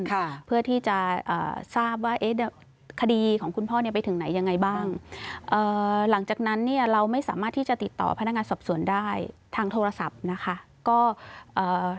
ค่ะเพื่อที่จะอ่าทราบว่าเอ๊ะเดี๋ยวคดีของคุณพ่อเนี่ยไปถึงไหนยังไงบ้างเอ่อหลังจากนั้นเนี่ยเราไม่สามารถที่จะติดต่อพนักงานสอบสวนได้ทางโทรศัพท์นะคะก็เอ่อ